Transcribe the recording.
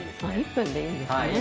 １分でいいんですね？